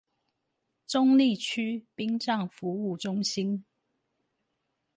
中壢區殯葬服務中心